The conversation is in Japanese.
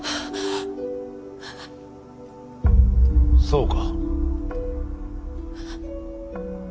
そうか。